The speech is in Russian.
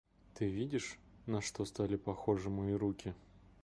Ты видишь, на что стали похожи мои руки?